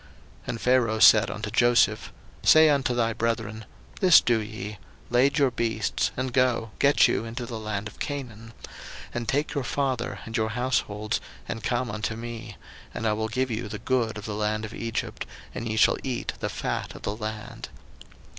01:045:017 And Pharaoh said unto Joseph, Say unto thy brethren, This do ye; lade your beasts, and go, get you unto the land of Canaan; 01:045:018 And take your father and your households, and come unto me: and I will give you the good of the land of Egypt, and ye shall eat the fat of the land.